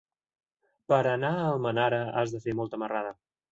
Per anar a Almenara has de fer molta marrada.